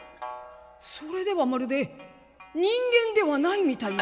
それではまるで人間ではないみたいな」。